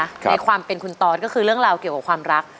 ในความเป็นคุณตอสก็คือเรื่องราวเกี่ยวกับความรัก